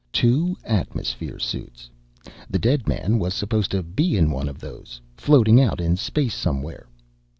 Two atmosphere suits. The dead man was supposed to be in one of those, floating out in space somewhere.